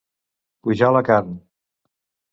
Pujar la carn.